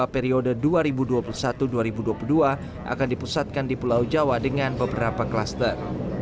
periode dua ribu dua puluh satu dua ribu dua puluh dua akan dipusatkan di pulau jawa dengan beberapa kluster